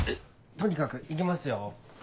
とにかく行きますよ。